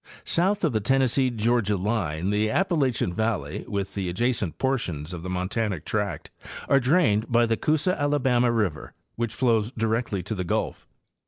South of the Tennessee Georgia line the Appalachian valley, with the adjacent portions of the montanic tract, are drained by the Coosa Alabama river, which flows directly to the Gulf.